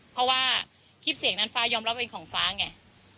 เพราะว่าคลิปเสียงนั้นฟ้ายอมรับเป็นของฟ้าไง